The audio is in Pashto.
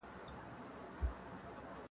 زه کولای سم کښېناستل وکړم!